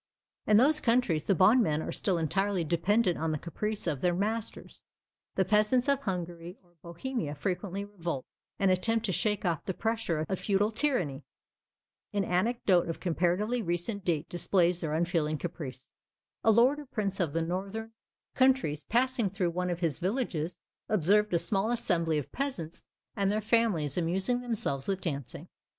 In those countries, the bondmen are still entirely dependent on the caprice of their masters. The peasants of Hungary or Bohemia frequently revolt, and attempt to shake off the pressure of feudal tyranny. An anecdote of comparatively recent date displays their unfeeling caprice. A lord or prince of the northern countries passing through one of his villages, observed a small assembly of peasants and their families amusing themselves with dancing.